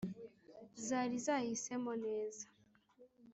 zari zahisemo neza.